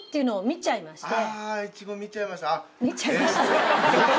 「見ちゃいました？」。